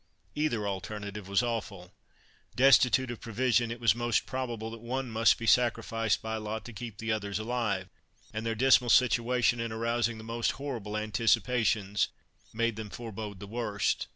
Either alternative was awful. Destitute of provision, it was most probable that one must be sacrificed by lot to keep the others alive; and their dismal situation, in arousing the most horrible anticipations, made them forbode the worst.